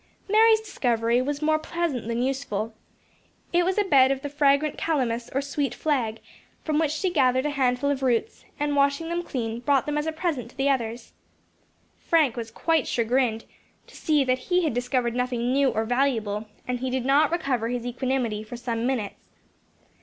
Mary's discovery was more pleasant than useful. It was a bed of the fragrant calamus or sweet flag, from which she gathered a handful of roots, and washing them clean, brought them as a present to the others. Frank was quite chagrined to see that he had discovered nothing new or valuable, and he did not recover his equanimity for some minutes.